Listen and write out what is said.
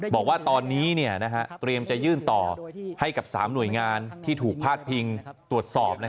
บอกว่าตอนนี้เตรียมจะยื่นต่อให้กับ๓หน่วยงานที่ถูกพาดพิงตรวจสอบ